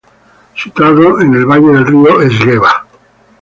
Situado en el valle del río Esgueva.